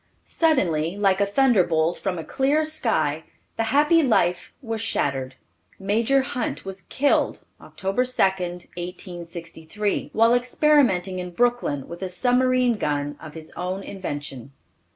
Suddenly, like a thunder bolt from a clear sky, the happy life was shattered. Major Hunt was killed Oct. 2, 1863, while experimenting in Brooklyn, with a submarine gun of his own invention.